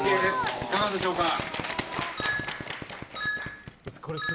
いかがでしょうか。